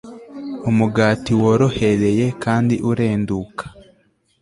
umugati worohereye kandi urenduka